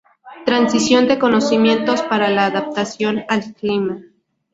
Transición de conocimientos para la adaptación al clima.